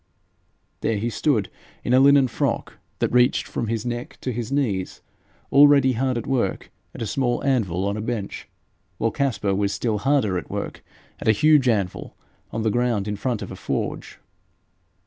There he stood, in a linen frock that reached from his neck to his knees, already hard at work at a small anvil on a bench, while Caspar was still harder at work at a huge anvil on the ground in front of a forge.